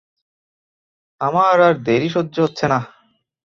আমার আর দেরী সহ্য হচ্ছে না।